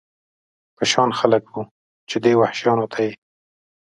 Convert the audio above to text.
په شان خلک و، چې دې وحشیانو ته یې.